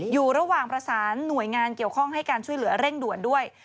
อยู่ระหว่างประสานหน่วยงานเกี่ยวข้องให้การช่วยเหลือเร่งด่วนด้วย